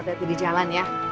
gue di jalan ya